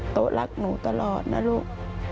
โต๊ะรักหนูตลอดนะลูก